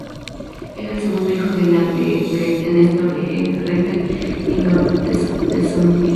Era el segundo hijo del landgrave Ernesto de Hesse-Rheinfels y María Leonor de Solms-Lich.